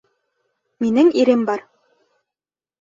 Минең ирем бар.